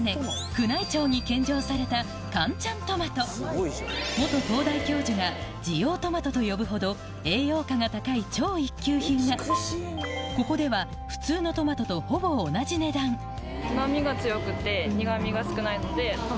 宮内庁に献上された東大教授が滋養トマトと呼ぶほど栄養価が高い超一級品がここでは普通のトマトとほぼ同じ値段で売ってるんで。